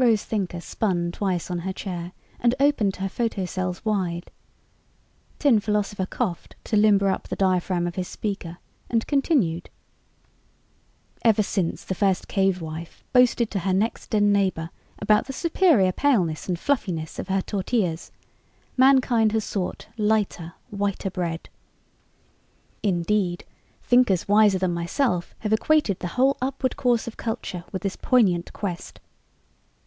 Rose Thinker spun twice on her chair and opened her photocells wide. Tin Philosopher coughed to limber up the diaphragm of his speaker and continued: "Ever since the first cave wife boasted to her next den neighbor about the superior paleness and fluffiness of her tortillas, mankind has sought lighter, whiter bread. Indeed, thinkers wiser than myself have equated the whole upward course of culture with this poignant quest.